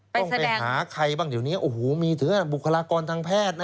ต้องไปหาใครบ้างเดี๋ยวนี้โอ้โหมีถึงบุคลากรทางแพทย์นะ